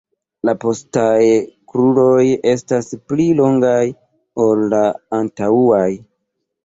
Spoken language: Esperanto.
La postaj kruroj estas pli longaj ol la antaŭaj.